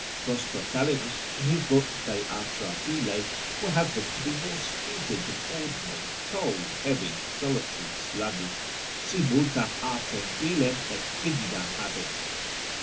Prosper Calenus, in his book de atra bile, will have them to be more stupid than ordinary, cold, heavy, solitary, sluggish. Si multam atram bilem et frigidam habent.